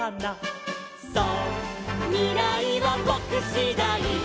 「そうみらいはぼくしだい」